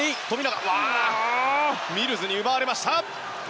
ミルズに奪われました。